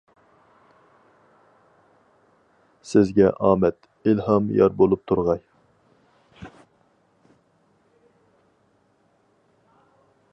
سىزگە ئامەت، ئىلھام يار بولۇپ تۇرغاي!